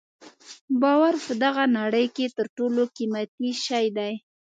باور په دغه نړۍ کې تر ټولو قیمتي شی دی.